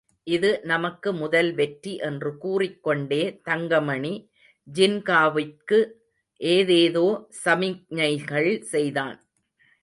இது நமக்கு முதல் வெற்றி என்று கூறிக்கொண்டே தங்கமணி ஜின்காவிற்கு ஏதேதோ சமிக்ஞைகள் செய்தான்.